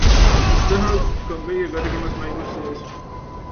Sest Tänak on kõige kõrgemas mängus sees!